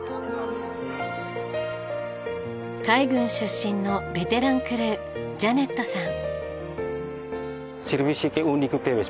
海軍出身のベテランクルージャネットさん。